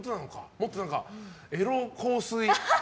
もっと、エロ香水。